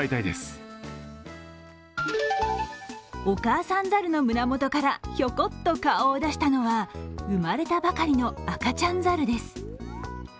お母さん猿の胸元からひょこっと顔を出したのは生まれたばかりの赤ちゃん猿です。